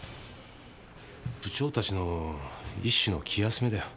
部長たちの一種の気休めだよ。